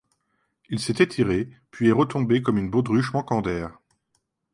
Il s’est étiré, puis est retombé comme une baudruche manquant d’air.